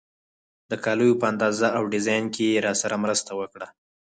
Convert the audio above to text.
د کالیو په اندازه او ډیزاین کې یې راسره مرسته وکړه.